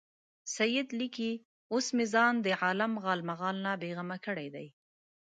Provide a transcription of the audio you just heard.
سید لیکي اوس مې ځان له عالم غالمغال بېغمه کړی دی.